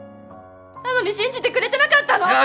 なのに信じてくれてなかったの？